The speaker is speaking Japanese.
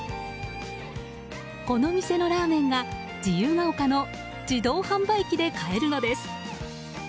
この店のラーメンが自由が丘の自動販売機で買えるのです。